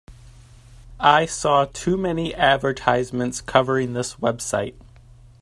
I saw too many advertisements covering this website.